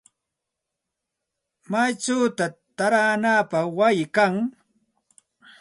¿Maychawta taaranapaq wayi kan?